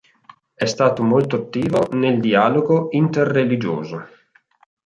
È stato molto attivo nel dialogo interreligioso.